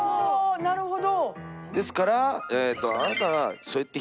なるほど。